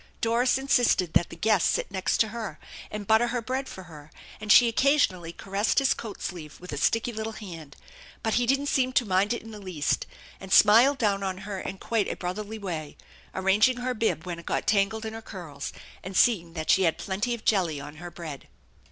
Doris insisted that the guest sit next to her and butter her bread for her, and she occasionally caressed his coat sleeve with a sticky little hand, but he didn't seem to mind it in the least, and smiled down on her in quite a brotherly way, arranging her bib when it got tangled in her curls, and seeing that she had plenty of jelly on her bread.